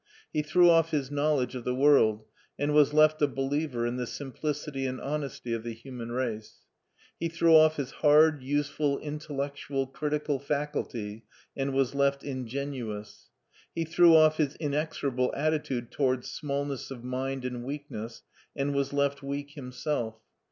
He threw off his knowledge of the world and was left a believer in the simplicity and honesty of the human race. He threw off his hard, useful, intellectual, critical faculty, and was left in genuous. He threw off his inexorable attitude towards smallness of mind and weakness and was left weak himself.